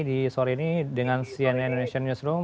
di sore ini dengan cnn indonesia newsroom